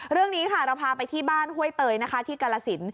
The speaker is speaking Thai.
เรื่องนี้ค่ะเราพาไปที่บ้านห้วยเตยนะคะที่กาลสิน